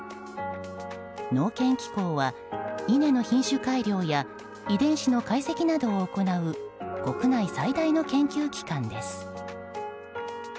農研機構は稲の品種改良や遺伝子の解析などを行う国内最大の研究機関です。